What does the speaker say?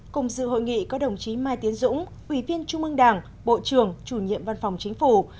cùng dự hội nghị có đồng chí mai tiến dũng ủy viên trung ương đảng bộ trưởng chủ nhiệm văn phòng chính phủ